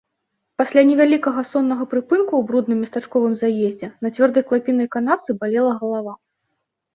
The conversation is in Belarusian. Пасля невялікага соннага прыпынку ў брудным местачковым заездзе, на цвёрдай клапінай канапцы, балела галава.